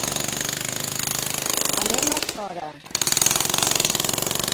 Anem a Sora.